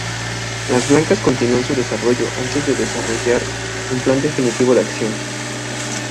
Las blancas continúan su desarrollo antes de desarrollar un plan definitivo de acción.